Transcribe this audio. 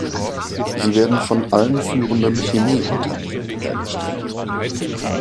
Sie werden von allen führenden Chemieunternehmen hergestellt.